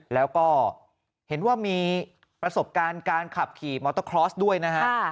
แล้วก็เห็นว่ามีประสบการณ์การขับขี่มอเตอร์คลอสด้วยนะฮะ